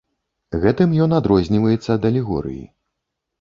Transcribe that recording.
Гэтым ён адрозніваецца ад алегорыі.